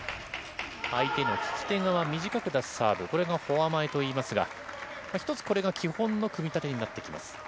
相手の利き手側短く出すサーブ、これをフォア前といいますが、１つこれが基本の組み立てになってきます。